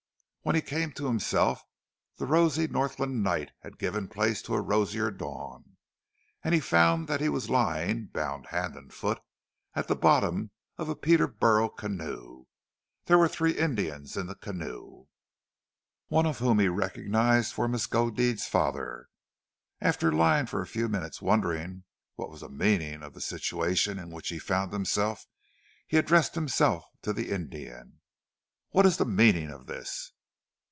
When he came to himself the rosy Northland night had given place to rosier dawn, and he found that he was lying, bound hand and foot, at the bottom of a Peterboro' canoe. There were three Indians in the canoe, one of whom he recognized for Miskodeed's father, and after lying for a few minutes wondering what was the meaning of the situation in which he found himself he addressed himself to the Indian: "What is the meaning of this?"